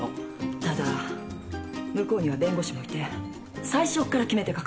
ただ向こうには弁護士もいて最初っから決めてかかってて。